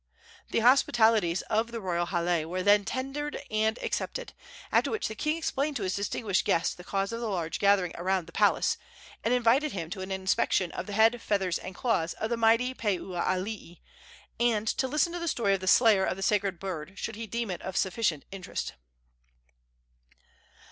The hospitalities of the royal hale were then tendered and accepted, after which the king explained to his distinguished guest the cause of the large gathering around the palace, and invited him to an inspection of the head, feathers and claws of the mighty Pueoalii, and to listen to the story of the slayer of the sacred bird, should he deem it of sufficient interest.